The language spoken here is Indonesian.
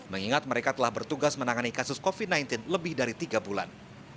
mengingat mereka telah bertugas menangani kasus covid sembilan belas lebih dari tiga bulan